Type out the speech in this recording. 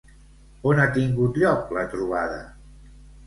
On ha tingut lloc la trobada?